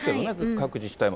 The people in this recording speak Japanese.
各自治体も。